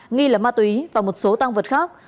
nghi là ma túy và một số tăng vật khác